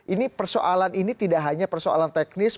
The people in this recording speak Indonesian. ini persoalan ini tidak hanya persoalan teknis